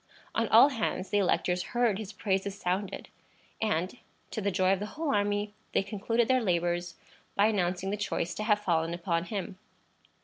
On all hands the electors heard his praises sounded, and, to the joy of the whole army, they concluded their labors by announcing the choice to have fallen upon him.